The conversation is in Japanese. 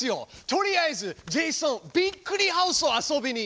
とりあえずジェイソンびっくりハウスを遊びに。